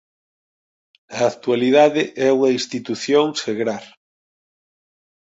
Na actualidade é unha institución segrar.